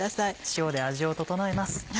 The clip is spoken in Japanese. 塩で味を調えます。